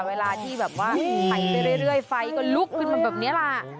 เวลาที่แบบว่าไถไปเรื่อยไฟก็ลุกขึ้นมาแบบนี้ล่ะ